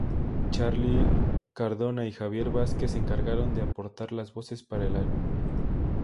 Charlie Cardona y Javier Vásquez se encargaron de aportar las voces para el álbum.